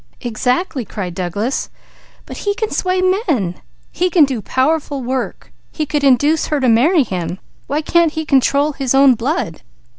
"Exactly!" cried Douglas. "But he can sway men! He can do powerful work. He could induce her to marry him. Why can't he control his own blood?"